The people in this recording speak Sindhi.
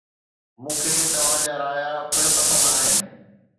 مون کي توهان جا رايا پڻ پسند آهن